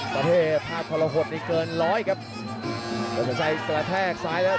กระโดยสิ้งเล็กนี่ออกกันขาสันเหมือนกันครับ